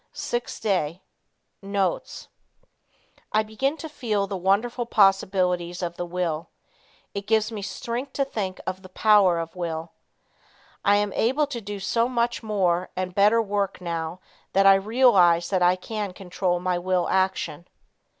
6th Day. Notes. I begin to feel the wonderful possibilities of the will. It gives me strength to think of the power of will. I am able to do so much more and better work now, that I realize that I can control my will action.